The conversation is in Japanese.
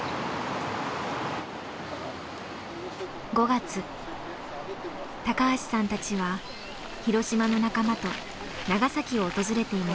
５月高橋さんたちは広島の仲間と長崎を訪れていました。